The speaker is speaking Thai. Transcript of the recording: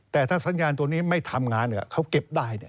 แต่ถ้าสัญญาณตัวนี้ไม่ทำงานเขาเก็บได้